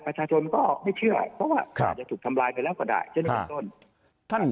ประชาชนก็ไม่เชื่อเพราะว่าจะถูกทำลายไปแล้วก็ได้